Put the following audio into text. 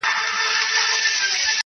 اوښکو د چا کله ګنډلی دی ګرېوان وطنه -